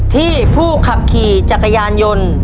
ผู้ขับขี่จักรยานยนต์